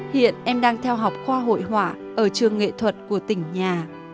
hiện em đang theo học khoa hội họa ở trường nghệ thuật của tỉnh nhà